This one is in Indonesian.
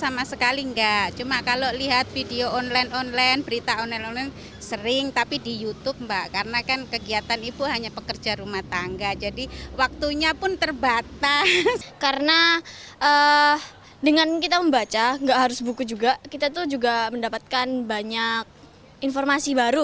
masyarakat indonesia juga mendapatkan banyak informasi baru